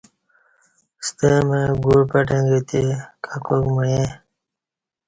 ستہ مع گوع پٹنگہ تے ککاک معیے